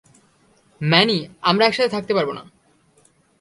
Many, আমরা একসাথে থাকতে পারবো না।